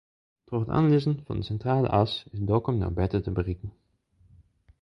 Troch it oanlizzen fan de Sintrale As is Dokkum no better te berikken.